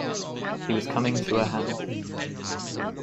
He was coming to her hand.